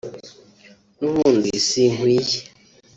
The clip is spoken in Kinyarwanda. n’ubundi sinkwiye